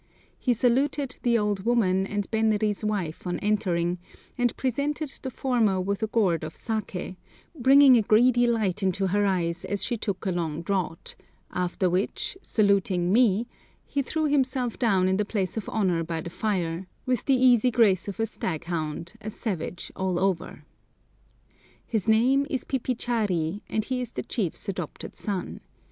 He saluted the old woman and Benri's wife on entering, and presented the former with a gourd of saké, bringing a greedy light into her eyes as she took a long draught, after which, saluting me, he threw himself down in the place of honour by the fire, with the easy grace of a staghound, a savage all over. His name is Pipichari, and he is the chief's adopted son.